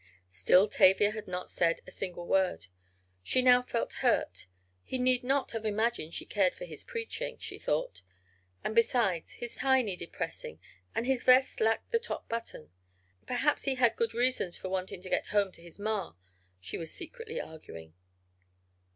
Still Tavia said not a single word. She now felt hurt. He need not have imagined she cared for his preaching, she thought. And besides, his tie needed pressing, and his vest lacked the top button. Perhaps he had good reasons for wanting to get home to his "Ma," she was secretly arguing.